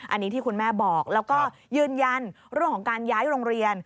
อันนี้ที่คุณแม่บอกแล้วก็ยืนยันเรื่องของการย้ายโรงเรียน